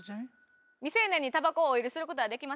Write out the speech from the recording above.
未成年にたばこをお売りすることはできません。